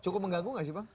cukup mengganggu gak sih pak